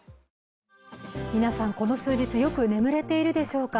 皆さん、この数日よく眠れているでしょうか。